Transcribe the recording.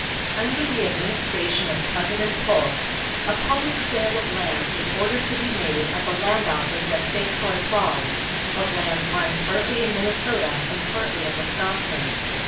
Under the administration of President Polk, a public sale of lands was ordered to be made at the land office at St. Croix Falls, of lands lying partly in Minnesota and partly in Wisconsin.